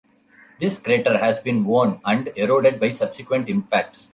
This crater has been worn and eroded by subsequent impacts.